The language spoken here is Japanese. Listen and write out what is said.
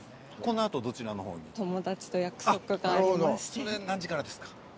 それ何時からですか？